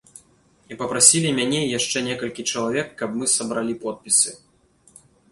І папрасілі мяне і яшчэ некалькі чалавек, каб мы сабралі подпісы.